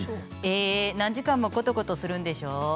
え何時間もコトコトするんでしょう？